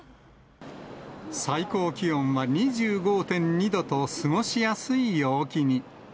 最高気温は２５．２度と過ごしやすい陽気に。